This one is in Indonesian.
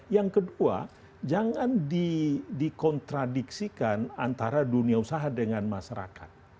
yang kedua jangan dikontradiksikan antara dunia usaha dengan masyarakat